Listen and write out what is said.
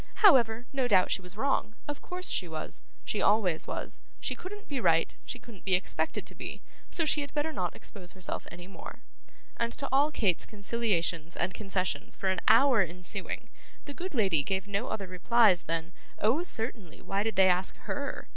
However, no doubt she was wrong; of course she was; she always was, she couldn't be right, she couldn't be expected to be; so she had better not expose herself any more; and to all Kate's conciliations and concessions for an hour ensuing, the good lady gave no other replies than Oh, certainly, why did they ask HER?